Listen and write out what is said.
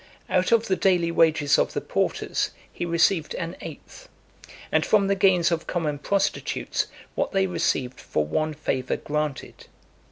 Out of the daily wages of the porters, he received an eighth, and from the gains of common prostitutes, what they received for one favour granted.